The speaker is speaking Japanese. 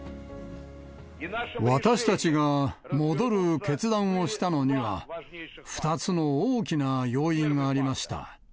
私たちが戻る決断をしたのには、２つの大きな要因がありました。